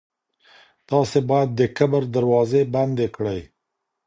تاسي باید د کبر دروازې بندې کړئ.